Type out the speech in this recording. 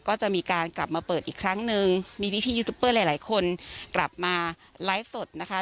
ก็จะมีการกลับมาเปิดอีกครั้งนึงมีพี่ยูทูปเปอร์หลายหลายคนกลับมาไลฟ์สดนะคะ